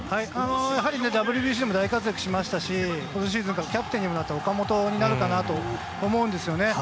やはりＷＢＣでも大活躍しましたし、今シーズンからキャプテンにもなった岡本になるかなと思うんですよね。